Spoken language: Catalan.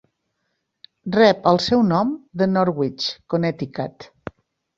Rep el seu nom de Norwich, Connecticut.